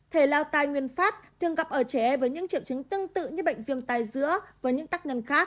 thể lao tai nguyên phát thường gặp ở trẻ với những triệu chứng tương tự như bệnh viêm tai giữa và những tắc nhân khác